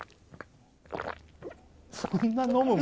そんな飲むの？